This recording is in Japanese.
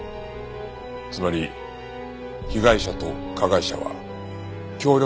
つまり被害者と加害者は協力関係にあった。